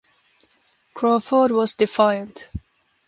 Crawford was defiant.